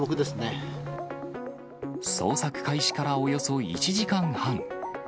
捜索開始からおよそ１時間半。